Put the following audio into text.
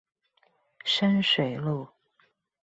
深水路